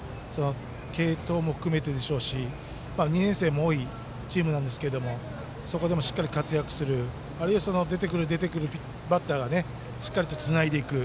継投も含めてでしょうし２年生も多いチームなんですけどそこでもしっかり活躍するあるいは出てくるバッターがしっかりつないでいく。